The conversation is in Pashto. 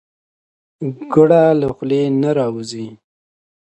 ګړه له خولې نه راوځي.